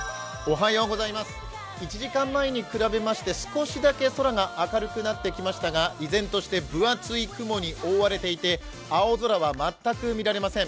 １時間前に比べまして少しだけ空が明るくなってきましたが依然として分厚い雲に覆われていて、青空は全く見られません。